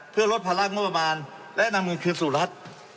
เพื่อลดพลักษณ์งบประมาณและนำมือคืนสู่รัฐ